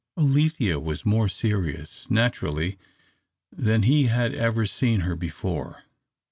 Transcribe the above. Alethea was more serious, naturally, than he had ever seen her before.